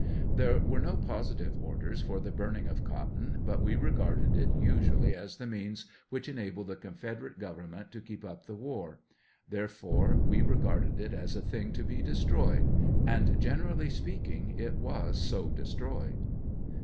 There were no positive orders for the burning of cot ton, but we regarded it usually as the means which enabled the Confederate Government to keep up the war; therefore, we regarded it as a thing to be de stroyed, and, generally speaking, it was so destroyed.